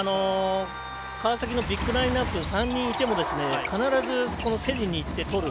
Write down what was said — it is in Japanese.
川崎のビッグラインナップ３人いても必ず競りにいってとる。